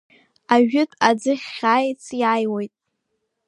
Ажәытә аӡыхь хьааиц иааиуеит.